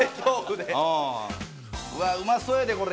うわっうまそうやでこれ！